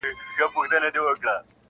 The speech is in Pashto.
خلک د نړيوالو خبرونو په اړه بحث کوي,